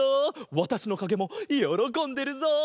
わたしのかげもよろこんでるぞ！